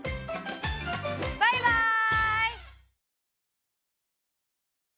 バイバイ！